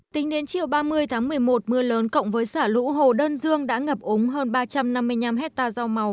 tính đến chiều ba mươi tháng một mươi một mưa lớn cộng với xả lũ hồ đơn dương đã ngập ống hơn ba trăm năm mươi năm hectare rau màu